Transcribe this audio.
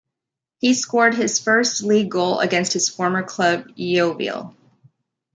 He scored his first league goal against his former club Yeovil.